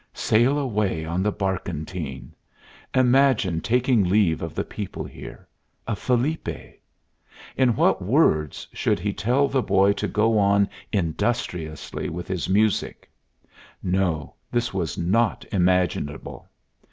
Sail away on the barkentine! Imagine taking leave of the people here of Felipe! In what words should he tell the boy to go on industriously with his music? No, this was not imaginable!